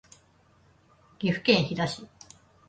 岐阜県飛騨市